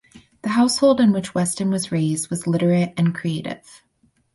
The household in which Weston was raised was literate and creative.